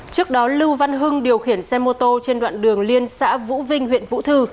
trước đó lưu văn hưng điều khiển xe mô tô trên đoạn đường liên xã vũ vinh huyện vũ thư